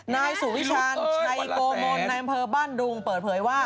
นายสุวิชาญชัยโกมลนายอำเภอบ้านดุงเปิดเผยว่า